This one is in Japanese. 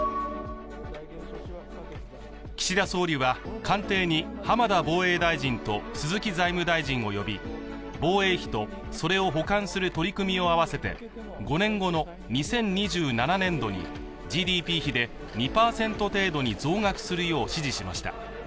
岸田総理は官邸に浜田防衛大臣と鈴木財務大臣を呼び、防衛費とそれを補完する取り組みを合わせて５年後の２０２７年度にＧＤＰ比で２％程度に増額するよう指示しました。